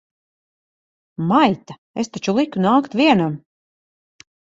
Maita! Es taču liku nākt vienam!